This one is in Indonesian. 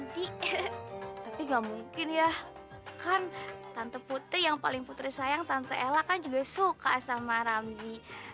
tapi gak mungkin ya kan tante putri yang paling putri sayang tante ella kan juga suka sama ramzi